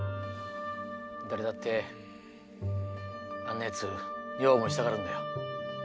誰だってあんなヤツ女房にしたがるんだよ。